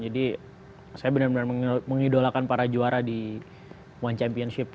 jadi saya benar benar mengidolakan para juara di one championship